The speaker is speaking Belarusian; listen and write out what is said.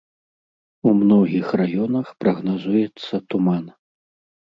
У многіх раёнах прагназуецца туман.